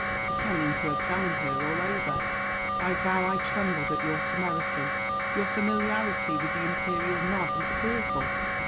pretending to examine her all over. "I vow I trembled at your temerity your familiarity with the imperial nod was fearful.